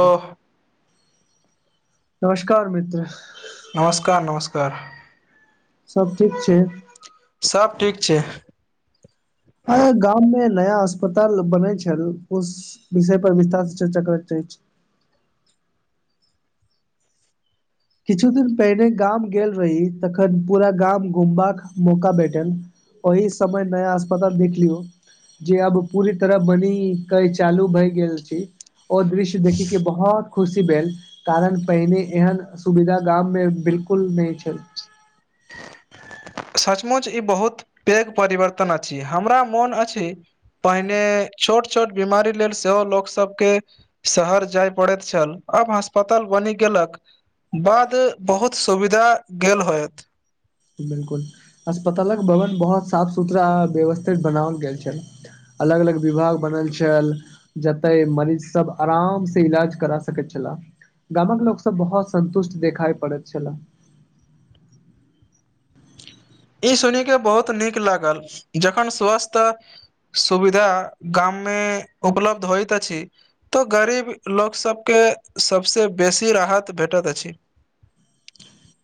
ओ नमस्कार मित्र नमस्कार नमस्कार सब ठीक छय सब ठीक छय आ गाम में नया अस्पताल बनय छल ओ विषय पर विस्तार से चर्चा करैत रह छय किछ दिन पहिने गाम गेल रही तखन पूरा गाम घुमबाक मौका भेटल ओही समय नया अस्पताल देख लियउ जे अब पूरी तरह बनी के चालू भय गेल छी ओ दृश्य देखय के बहुत खुशी भेल कारण पहिने एहन सुविधा गाममें बिल्कुल नहि छै सचमुच ई बहुत पैघ परिवर्तन अइछ हमरा मोन अछि पहिने छोट छोट बीमारी लेल सेहो लोकसबके शहर जाय पड़ै छल अब अस्पताल बनी गेलक बाद बहुत सुविधा गेल होयत बिलकुल अस्पतालक भवन बहुत साफ सुथरा आ व्यवस्थित बनाओल गेल छय अलग अलग विभाग बनल छल जतय मरीज सब आराम से इलाज करा सकैत छह गामक लोक सब बहुत सन्तुष्ट देखाइ पड़ैत छलय ई सुन के बहुत नीक लागल जखन स्वस्थ सुविधा ग्राम में उपलब्ध होइत छी तऽ गरीब लोक सभके सभसँ बेसी राहत भेटैत अछि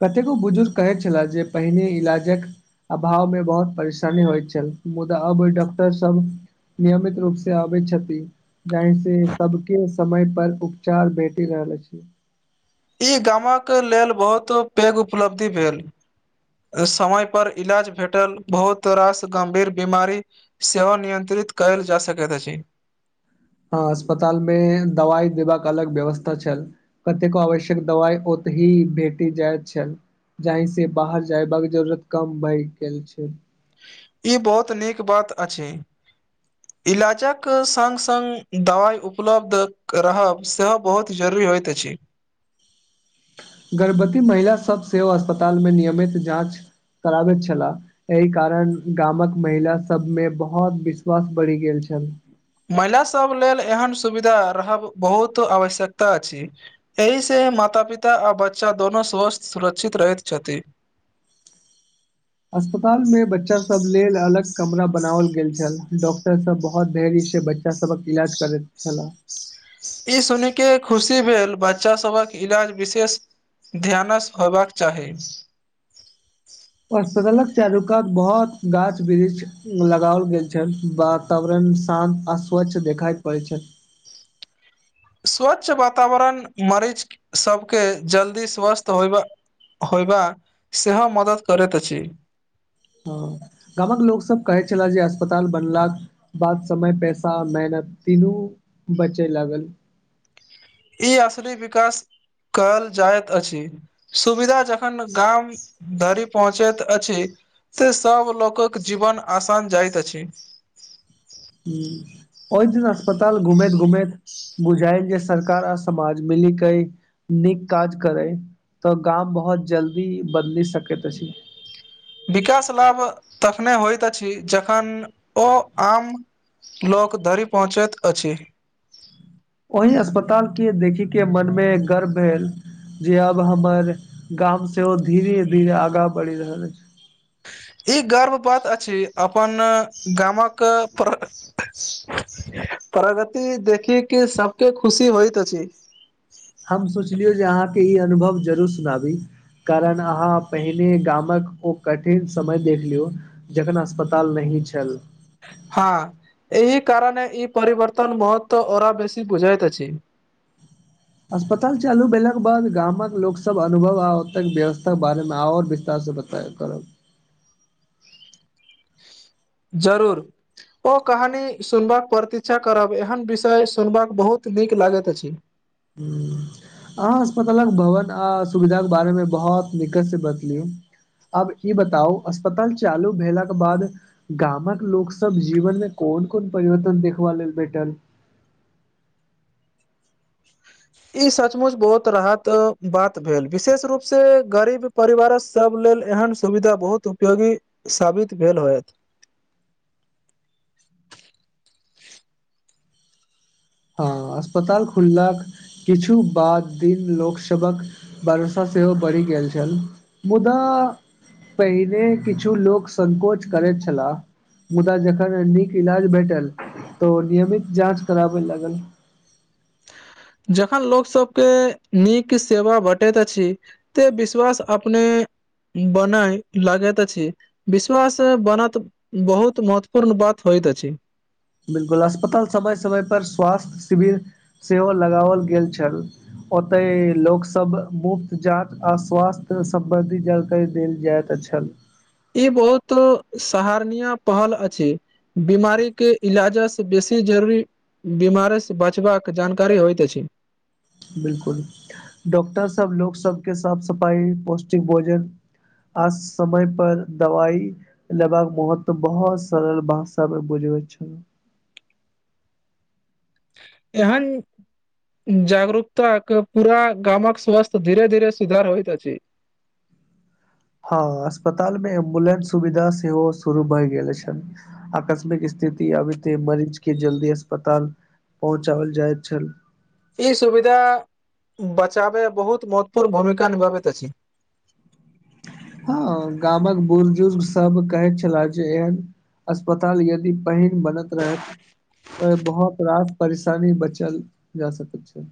कतेको बुजुर्ग कहैत छलह जे पहिने इलाजक अभाव में बहुत परेशानी होइत छल मुदा अब ओहि डॉक्टर सब नियमित रूप से आबैत छथिषति जहि से सबके समय पर उपचार भेट रहल छय ई गामक लेल बहुत पैघ उपलब्धि भेल समय पर इलाज भेटल बहुत रास गम्भीर बीमारी सेवा नियंत्रित कैल जा सकै छय हँ अस्पताल में दवाइ देबाक अलग व्यवस्था छल कतेको आवश्यक दवाइ ओतहि भेटी जाइत छल जाहि से बाहर जयबाक जरूरत कम भए गेल छय ई बहुत नीक बात अछि इलाजक सङ्ग सङ्ग दवाइ उपलब्ध रहब सेहो बहुत जरूरी होइत अछि गर्भवती महिला सब सेहो अस्पतालमे नियमित जाँच कराबैत छलाह एहि कारण गामक महिला सभमें बहुत विश्वास बढ़ि गेल छनि महिलास सब लेल एहन सुविधा रहब बहुत आवश्यकता अच्छ एहिसँ माता पिता आ बच्चा दुनू स्वस्थ सुरक्षित रहैत छथि अस्पताल में बच्चा सब लेल अलग कमरा बनाओल गेल छल डॉक्टर सब बहुत धैर्य से बच्चा सबक इलाज करैत छल ई सुन के खुशी भेल बच्चा सबक इलाज विशेष ध्यानसँ होबाक चाही अस्पतलक चारू कात बहुत गाछ वृक्ष लगाओल गेल छ वातावरण शान्त आ स्वच्छ देखाई पड़ैत छइन स्वच्छ वातावरण मरीज सबके जल्दी स्वस्थ होयबा होयव सेहो मदद करैत अछि हँ गामक लोकसभ कहैत छलए जे अस्पताल बनलक बाद समय पैसा मेहनत तीनू बचय लागल ई असनी विकास कल जाइत अछि सुविधा जखन गाम धरि पहुँचैत अछि से सब लोकक जीवन आसान जाइतइत अछि हं ओहि दिन अस्पताल घुमैत घुमैत बुझायन जे सरकार आ समाज मिली क नीक काज करय तऽ गाम बहुत जल्दी बदइल सकैत अछि विकास लाभ तखने होइत अइछ जखन ओ आम लोक धरि पहुँचैत अइछ ओहि अस्पतालके देखयके मन में गर्व भेल जे आब हमर गाम सेहो धीरे धीरे आगाँ बढ़ि रहल अइछ ई गर्व बात अइछ अपन गामक पर प्रगति देख कऽ सबके खुशी होइत छै हम सोचलियौ जे अहाँके ई अनुभव जरूर सुनाबी कारण अहाँ पहिने गामक ओ कठिन समय देख लियउ जखन अस्पताल नय छल हँ एहि कारणे ई परवर्तन महत्व ओरा बेसी बुझाइत छी अस्पताल चालू भेलाक के बाद गामक लोक सब अनुभव आत व्यवस्था के बारे मे ओर विस्तार से बता तकर जरूर ओ कहानी सुनबाक प्रतीक्षा करब एहन विषय सुनबाक बहुत नीक लागैत अछि हूँ अहाँ अस्पतालक भवन आ सुविधाक के बारे में बहुत निकट से बतलियू आब ई बताउ अस्पताल चालू भेलाके बाद गामक लोकग सब जीवन में कोन कोन परिवर्तन देखबा लेल भेटल ई सचमुच बहुत राहत बात भेल विशेष रूप से गरीब परिवारक सब लेल एहन सुविधा बहुत उपयोगी साबित भेल होयत हँ अस्पताल खुललाक किछु बाद दिन लोकसभक वर्षा सेहो बढ़ि गेल छल मुदा पहिने किछु लोक संकोच करैत छलाह मुदा जखन नीक इलाज भेटल तऽ नियमित जाँच कराबे लागल जखन लोकसभके नीक सेवा बँटैत अछि त विश्वास अपने बनाय लागे तऽ छै विश्वास बनत बहुत महत्वपूर्ण बात होइत अछि बिलकुल अस्पताल समय समयपर स्वास्थ्य शिविर सेहो लगाओल गेल छल ओतय लोकसब मुफ्त जाँच आ स्वास्थ्य सम्बंधी जानकारी देल जायत तऽछ ई बहुत सहारनीय पहल अइछ बीमारी के इलाजा से बेसी जरूरी बीमारसँ बचबाक जानकारी होइत अछि बिलकुल डॉक्टर सब लोक सबके साफ सफाइ पौष्टिक भोजन आ समय पर दवाई लेबाक महत्व बहुत सरल भाषा पर बुझबै छल एहन जागरूकता कऽ पूरा गामक स्वस्थ धीरे धीरे सुधार होइत अछि हँ अस्पताल मे एम्बुलेंस सुविधा सेहो शुरू भए गेल छनि आकस्मिक स्थिति अबते मरीज के जल्दी अस्पताल पहुँचाओल जाइत छल ई सुविधा बचाबे बहुत महत्वपूर्ण भूमिका निभाबैत अछि हँ गामक बुजुर्ग सब कहैत छलाह जे एहन अस्पताल यदि पहिन बनैत रहैत बहुत रास परेशानी बचल जा सकै छय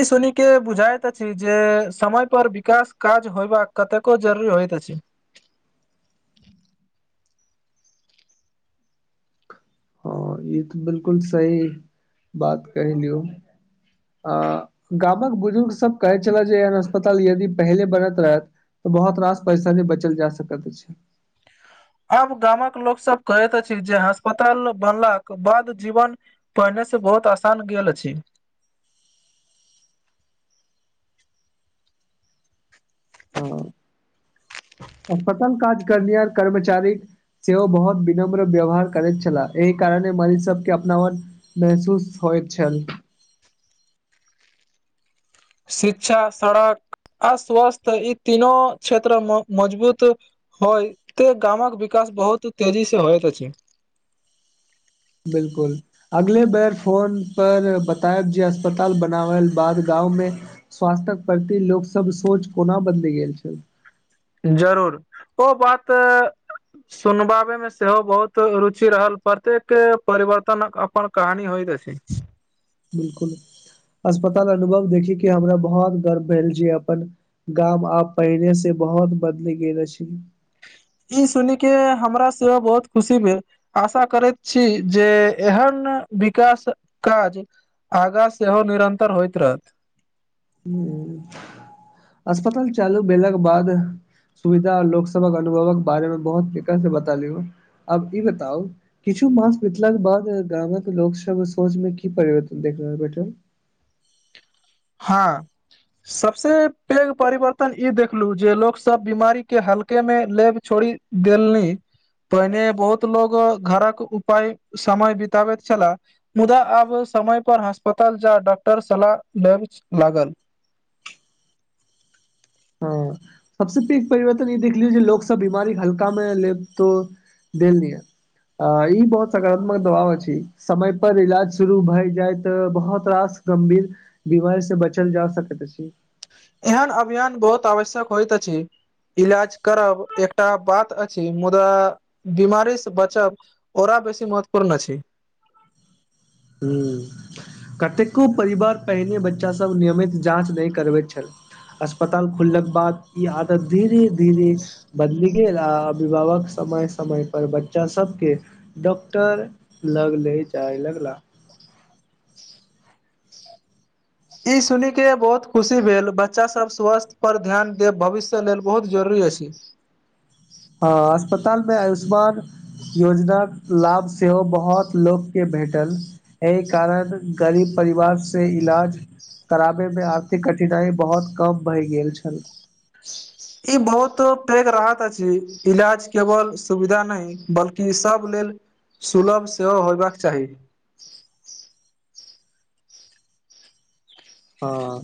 ई सुन के बुझइत अछि जे समय पर विकास काज होयबाका कतेको जरूरी होयत अछि हँ ई तऽ बिल्कुल सही बात कहिलियौ अ गामक बुजुर्गसब कहैत छले जे एहन अस्पताल यदि पहिले बनैत रहथि तऽ बहुत रास परैेशानी बचल जा सकैत अछि आब गामक लोक सब कहैत अछि जे अस्पताल बनलाक बाद जीवन पहिने से बहुत आसान गेल अछि पतन काज करय कर्मचारी सेहो बहुत विनम्र व्यवहार करैत छलै एहि कारणे मरीज सबके अपनापन महसूस हो छेन शिक्षा सड़क आ स्वस्थ ई तीनो क्षेत्रमें मजबूत होइ तऽ गामक विकास बहुत तेजी से होइत छी बिलकुल अगले बेर फोन पर बतायब जे अस्पताल बनावल बाद गाँंव में स्वास्थक प्रति लोक सब सोच कोना बन्द गेल छल जरूर ओ बात सुनबाबे में सेहो बहुत रुचि रहल प्रत्येक परिवर्तन अपन कहानी होइ तऽ अछि बिलकुल अस्पताल अनुभव देखि के हमरा बहुत गर्व भेल जे अपन गाम आब पहिनेे से बहुत बदलि गेल अछि ई सुन के हमरा से बहुत खुशी भेल आशा करैत छी जे एहन विकास काज आगा सेहो निरन्तर होइत रहत हं अस्पताल चालू भेलाके बाद सुविधा आ लोक सबक अनुभवक बारेमें बहुत तीका से बता ली अब ई बताउ किछु मास बितलाक के बाद गामक लोक सब सोच में की परिवर्तन देख रहल बैटल हाँ सबसँ पैघ परिवर्तन ई देखलू जे लोकस बीमारीके हल्के में लेब छोड़ि दिल्ली पहिने बहुत लोग घरक उपाय समय बितबैत छला मुदा आब समय पर अस्पताल जा डॉक्टर सलाहब [unintelligible] लागल हँ सबस पघ परिवर्तन ई देख लिय जे लोक सब बीमारी हल्का में ले तो देल्लए अ ई बहुत सकारात्मक दबाव छय समय पर इलाज शुरू भय जाय तऽ बहुत रास गंभीर बीमार से बचल जा सकैत अछि एहन अभियान बहुत आवश्यक होइत अछि इलाज करब एकटा बात अछि मुदा बीमारी से बचब ओरा बेसी महत्वपूर्ण अछि हं कतेको परिवार पहिने बच्चासभ नियमित जाँच नहि करबैत छल अस्पताल खुलके बाद ई आदत धीरे धीरे बदली गेल आ अभिभावक समय समय पर बच्चा सबके डॉक्टर लगले जाय लगला ई सुनिक के बहुत खुशी भेल बच्चा सब स्वास्थ्य पर ध्यान देब भविष्य लेल बहुत जरुरी अछि हँ अस्पतालमें आयुष्मान योजनाक लाभ सेहो बहुत लोकके भेटल एहि कारण गरीब परिवार से इलाज कराबै में आर्थिक कठिनाइ बहुत कम भए गेल छल ई बहुत पेघ राहत अछि ईलाज केवल सुविधा नय बल्कि सब लेल सुलभ सेहो होयबाक चाही हँ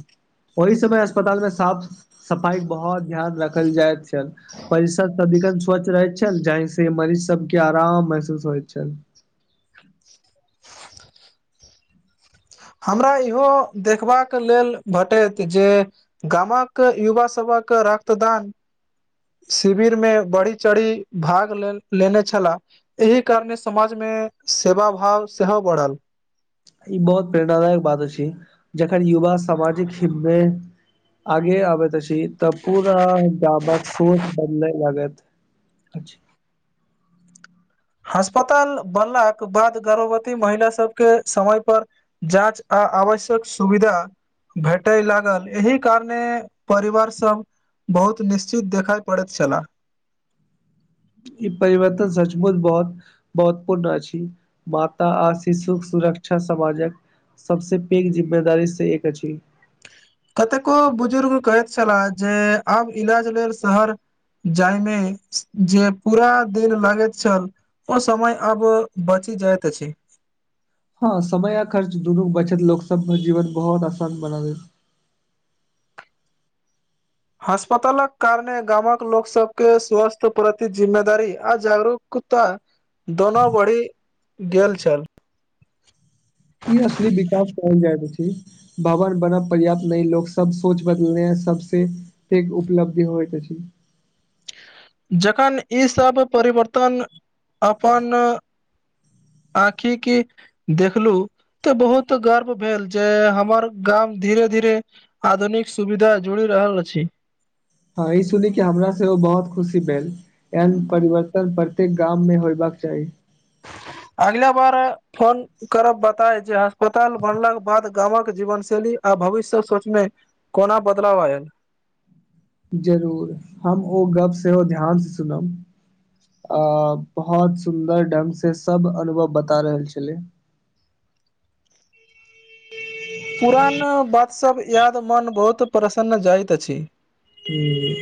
ओहि समय अस्पताल में साफ सफाइ के बहुत ध्यान राखल जाइत छन परिसर सबदिखन स्वच्छ रहैत छल जहि से मरीज सबके आराम महसूस होइत छल हमरा इहो देखबाक लेल भेटैत जे गामक युवा सबक रक्तदान शिविर में बढ़ी चढ़ी भाग ले लेने छला एहि कारणे समाज में सेवा भाव सेहो बढ़ल ई बहुत प्रेरणादायक बात अछि जखकर युवा सामाजिक हित में आगे आबै तऽ अछी तऽ पूरा गाबत सोच बदले लागत अस्पताल बनलाके बाद गर्भवती महिला सबके समय पर जाँच आ आवश्यक सुविधा भेटय लागल एहि कारणे परिवार सब बहुत निश्चित देखाय पड़ैत छला ई परिवर्तन सचमुच बहुत महत्वपूर्ण अछि माता आ शिशु के सुरक्षा समाजक सबसे पैघ जिम्मेदारी से एक अछि कतेको बुजुर्ग कहैत छलाह जे आब ईलाज लेल शहर जाहिमे जे पूरा दिन लगैत छल ओ समय अब बची जायत अछि हँ समय आ खर्च दुनू बचत लोकसब मऽ जीवन बहुत आसान बना देत हस्पतालक कारणे गामक लोक सबके स्वास्थ्य प्रति जिम्मेदारी आ जागरूकता दोनो बढ़ी गेल छल ई असली विकास कहल जायत अछि भवन बन पर्याप्त नहि लोग सब सोच बदलने यऽ सबसे एक उपलब्धि होएत अछि जखन ईसभ परिवर्तन अपन आँखि की देखलू तऽ बहुत गर्भ भेल जे हमर गाम धीरे धीरे आधुनिक सुविधा जुड़ि रहल अछि हँ ई सुनीे केऽ हमरा सेहो बहुत खुशी भेल एहेन परिवर्तन प्रत्येक गाम मे होयबाक चाही अगिला बार फोन करब बताय जे अस्पताल बनलाकेँ बाद गामक जीवन शैली आ भविष्य सोचमे कोना बदलाव आयत जरूर हम ओ गप सेहो ध्यान सँ सुनब आ बहुत सुन्दर ढंग से सब अनुभव बता रहल छलै पुरान बातसभ याद मोन बहुत प्रसन्न जाइत अछि हूँ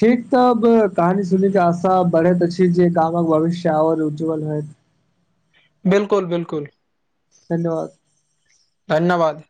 ठीक तऽब कहानी सुनिकेँ आशा बढ़ैत अछि जे गामक भविष्य आओर उज्ज्वल होएत बिल्कुल बिल्कुल धन्यवाद धन्यवाद